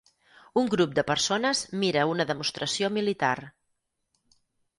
Un grup de persones mira una demostració militar.